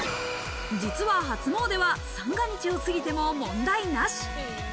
実は初詣は三が日を過ぎても問題なし。